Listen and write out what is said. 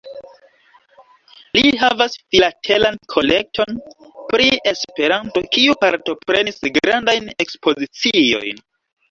Li havas filatelan kolekton pri Esperanto, kiu partoprenis grandajn ekspoziciojn.